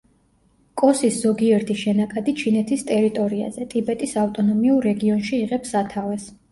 კოსის ზოგიერთი შენაკადი ჩინეთის ტერიტორიაზე, ტიბეტის ავტონომიურ რეგიონში იღებს სათავეს.